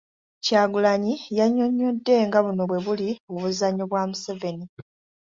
Kyagulanyi yannyonnyodde nga buno bwe buli obuzannyo bwa Museveni